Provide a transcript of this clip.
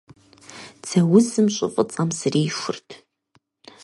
Дзэ узым щӀы фӀыцӀэм срихурт.